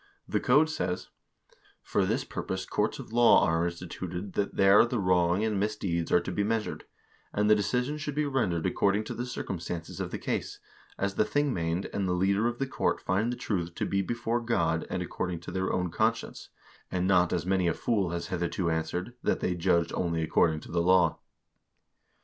The code says :" For this purpose courts of law are insti tuted that there the wrong and misdeeds are to be measured, and the decision should be rendered according to the circumstances of the case, as the thingmcend and the leader of the court find the truth to be before God and according to their own conscience, and not as many a fool has hitherto answered, that they judged only according to the law."